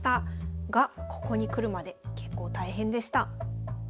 がここに来るまで結構大変でした。